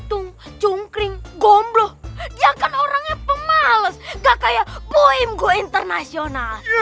tunggung kring gomblo dia kan orangnya pemales gak kayak poem gue international